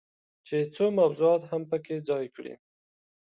چې څو موضوعات هم پکې ځای کړي.